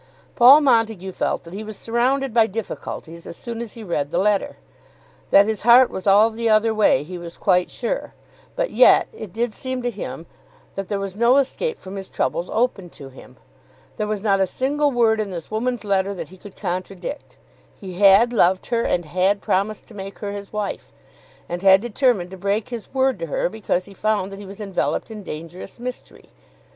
Paul Montague felt that he was surrounded by difficulties as soon as he read the letter. That his heart was all the other way he was quite sure; but yet it did seem to him that there was no escape from his troubles open to him. There was not a single word in this woman's letter that he could contradict. He had loved her and had promised to make her his wife, and had determined to break his word to her because he found that she was enveloped in dangerous mystery.